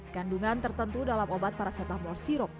kandungan tertentu dalam obat paracetamol sirup